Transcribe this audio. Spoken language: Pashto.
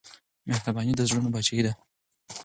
مهرباني د زړونو پاچاهي ده.